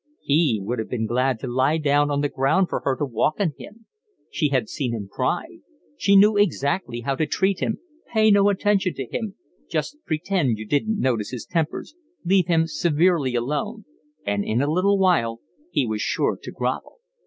He would have been glad to lie down on the ground for her to walk on him. She had seen him cry. She knew exactly how to treat him, pay no attention to him, just pretend you didn't notice his tempers, leave him severely alone, and in a little while he was sure to grovel.